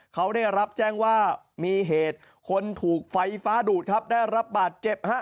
เขาได้รับแจ้งว่ามีเหตุคนถูกไฟฟ้าดูดครับได้รับบาดเจ็บฮะ